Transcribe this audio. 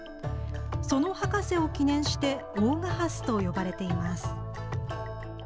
その博士を記念して大賀ハスと呼ばれています。